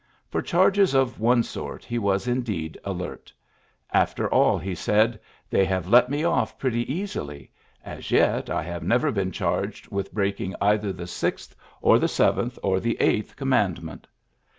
For charges of one sort he was indeed alert. ^^ After all," he said, ^Hhey have let me off pretty easily. As yet I have never been charged with breaking either the sixth or the seventh or the eighth commandment."